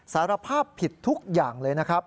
สารภาพผิดทุกอย่างเลยนะครับ